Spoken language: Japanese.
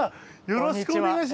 よろしくお願いします。